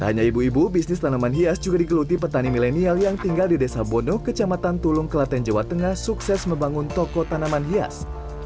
tak hanya ibu ibu bisnis tanaman hias juga digeluti petani milenial yang tinggal di desa bondo kecamatan tulung kelaten jawa tengah sukses membangun toko tanaman hias